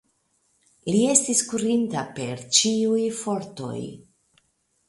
Li estis kurinta per ĉiuj fortoj.